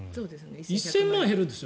１０００万減るんです。